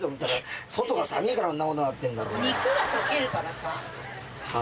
肉が溶けるからさ。